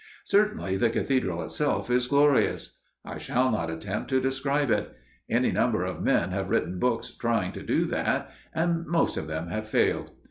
Certainly, the cathedral itself is glorious. I shall not attempt to describe it. Any number of men have written books trying to do that, and most of them have failed.